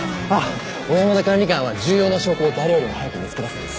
小山田管理官は重要な証拠を誰よりも早く見つけ出すんです。